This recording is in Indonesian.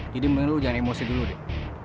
jadi menurut lo jangan emosi dulu deh